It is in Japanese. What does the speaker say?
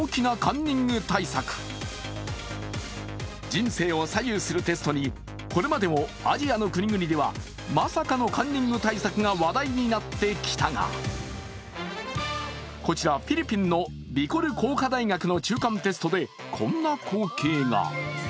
人生を左右するテストにこれまでもアジアの国々ではまさかのカンニング対策が話題になってきたがこちらフィリピンのビコル工科大学の中間テストで、こんな光景が。